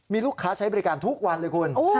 มีลูกค้าใช้บริการทุกวันเลยคุณ